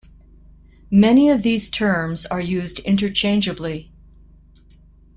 Many of these terms are used interchangeably.